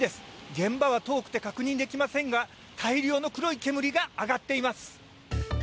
現場は遠くて確認できませんが大量の黒い煙が上がっています。